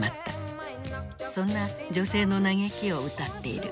そんな女性の嘆きを歌っている。